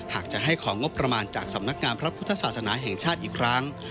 หากจะให้ของงบประมาณจากสำนักงานพระพุทธศาสนาแห่งชาติอีกครั้ง